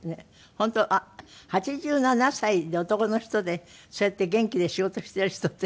本当８７歳で男の人でそうやって元気で仕事している人って少ないですよね